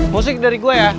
musik dari gue ya